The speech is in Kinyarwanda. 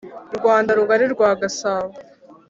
"rwanda rugari rwa gasabo"